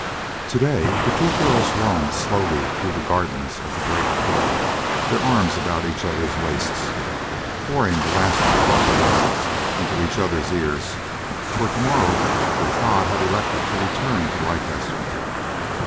Today the two girls roamed slowly through the gardens of the great court, their arms about each other's waists, pouring the last confidences into each other's ears, for tomorrow Bertrade had elected to return to Leicester.